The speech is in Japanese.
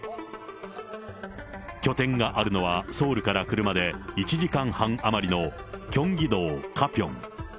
拠点があるのは、ソウルから車で１時間半余りのキョンギ道カピョン。